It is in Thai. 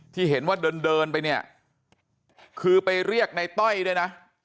ที่เห็นว่าเดินเดินไปเนี่ยคือไปเรียกในต้อยด้วยนะ